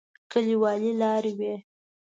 کليوالي لارې وې.